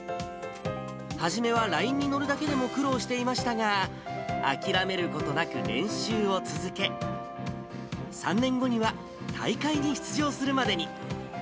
初めはラインに乗るだけでも苦労していましたが、諦めることなく練習を続け、３年後には大会に出場するまでに。